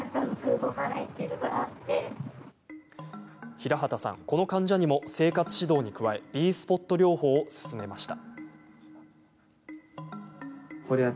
平畑さん、この患者にも生活指導に加えＢスポット療法を勧めました。